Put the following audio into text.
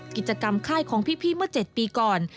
กิจกรรมค่ายของพี่เมื่อ๗ปีก่อน